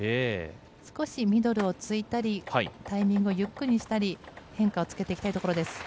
少しミドルをついたりタイミングをゆっくりにしたり変化をつけていきたいところです。